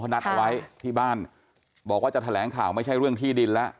นัดเอาไว้ที่บ้านบอกว่าจะแถลงข่าวไม่ใช่เรื่องที่ดินแล้ว